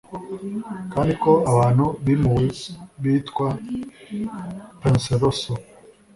kandi ko abantu bimuwe bitwa penseroso